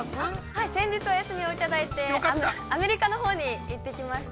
◆はい、先日、お休みをいただいて、アメリカのほうに行ってきました。